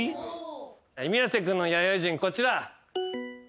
宮世君の弥生人こちら。